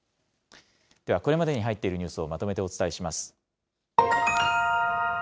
ではこれまでに入っているニュースをまとめてお伝えします。